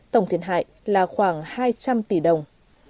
tổng thiệt hại là khoảng hai trăm linh tỷ đồng